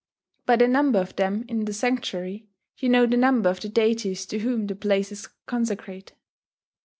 By the number of them in the sanctuary, you know the number of the deities to whom the place is consecrate.